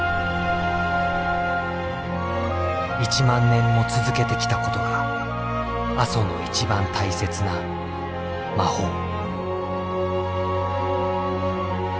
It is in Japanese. １万年も続けてきたことが阿蘇の一番大切な魔法。